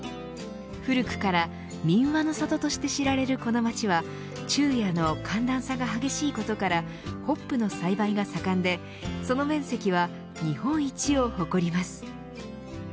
古くから、民話の里として知られるこの町は昼夜の寒暖差が激しいことからホップの栽培が盛んでその面積は日本一を誇ります。